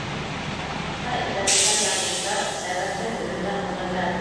Нахаҡҡа имгәтелгән яҙмыштар, сәбәпһеҙ өҙөлгән ғүмерҙәр...